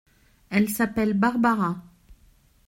Elle s’appelle Barbara.